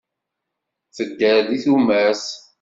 Tedder deg tumert.